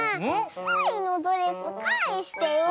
スイのドレスかえしてよ！